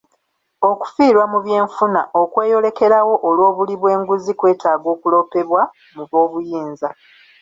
Okufiirwa mu by'enfuna okweyolekerawo olw'obuli bw'enguzi kwetaaga okuloopebwa mu b'obuyinza.